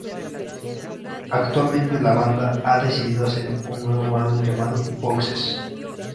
Actualmente, la banda ha decidido hacer un nuevo álbum llamado "Boxes".